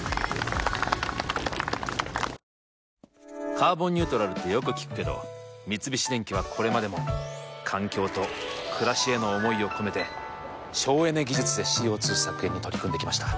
「カーボンニュートラル」ってよく聞くけど三菱電機はこれまでも環境と暮らしへの思いを込めて省エネ技術でＣＯ２削減に取り組んできました。